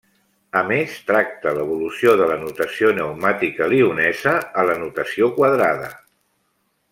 A més, tracta l'evolució de la notació neumàtica lionesa a la notació quadrada.